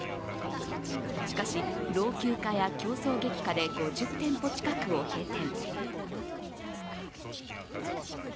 しかし、老朽化や競争激化で５０店舗近くを閉店。